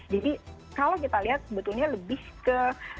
jadi kalau kita lihat sebetulnya lebih ke